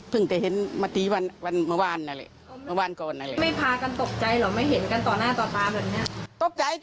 พระแล้วอย่าตีอย่าตี